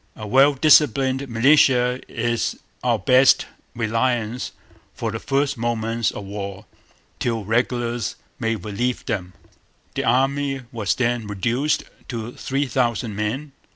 A well disciplined militia is our best reliance for the first moments of war, till regulars may relieve them.' The Army was then reduced to three thousand men.